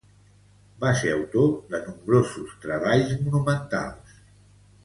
Va ser autor de nombrosos treballs monumentals.